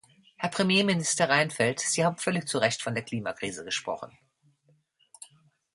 Herr Premierminister Reinfeldt, Sie haben völlig zu Recht von der Klimakrise gesprochen.